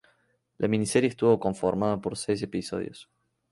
La miniserie estuvo conformada por seis episodios.